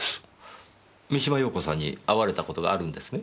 三島陽子さんに会われた事があるんですね？